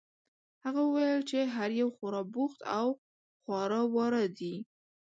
هغه وویل چې هر یو خورا بوخت او خواره واره دي.